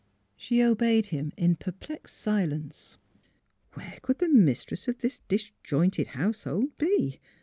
She obeyed him in perplexed silence. Where could the mistress of this disjointed household be?